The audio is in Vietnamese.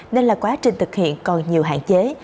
nên là quá trình thực hiện còn nhiều hạn chế